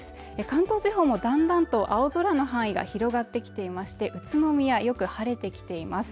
関東地方もだんだんと青空の範囲が広がってきていまして宇都宮はよく晴れてきています